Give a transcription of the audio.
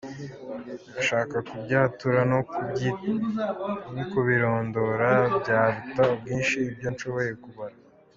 Nashaka kubyātura no kubirondora, Byaruta ubwinshi ibyo nshoboye kubara.